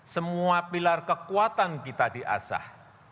semua pilar kekuatan kita diasah